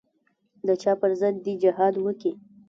د چا پر ضد دې جهاد وکي.